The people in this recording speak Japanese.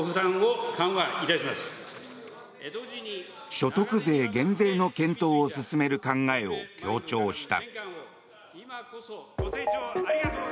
所得税減税の検討を進める考えを強調した。